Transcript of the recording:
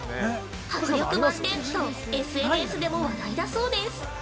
「迫力満点！」とＳＮＳでも話題だそうです。